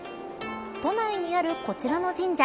都内にある、こちらの神社。